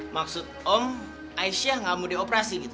maksud om aisyah gak mau dioperasi gitu